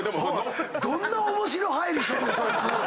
どんな面白入りしとんねんそいつ。